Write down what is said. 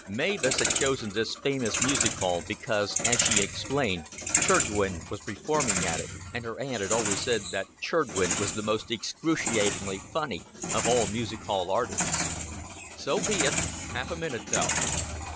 Mavis had chosen this famous music hall because, as she explained, Chirgwin was performing at it, and her aunt had always said that Chirgwin was the most excruciatingly funny of all music hall artists. "So be it. Half a minute, though."